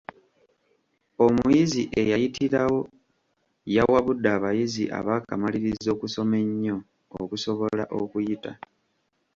Omuyizi eyayitirawo yawabudde abayizi ab'akamalirizo okusoma ennyo okusobola okuyita.